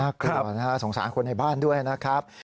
กลัวนะฮะสงสารคนในบ้านด้วยนะครับ